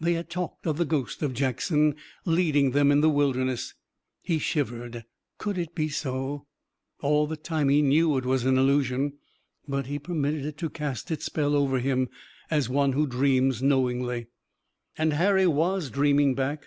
They had talked of the ghost of Jackson leading them in the Wilderness. He shivered. Could it be so? All the time he knew it was an illusion, but he permitted it to cast its spell over him, as one who dreams knowingly. And Harry was dreaming back.